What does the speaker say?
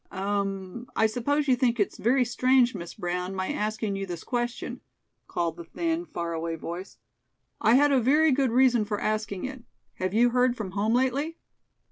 "Um! I suppose you think it's very strange, Miss Brown, my asking you this question," called the thin, far away voice. "I had a very good reason for asking it. Have you heard from home lately?"